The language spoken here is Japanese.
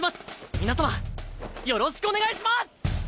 皆様よろしくお願いします！